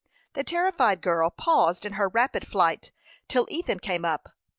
The terrified girl paused in her rapid flight till Ethan came up.